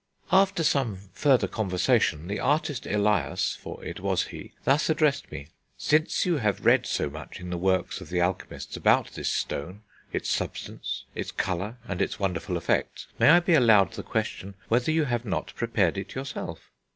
... After some further conversation, the Artist Elias (for it was he) thus addressed me: 'Since you have read so much in the works of the alchemists about this stone, its substance, its colour and its wonderful effects, may I be allowed the question, whether you have not prepared it yourself?'